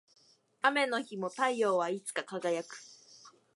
雨の日も太陽はいつか輝く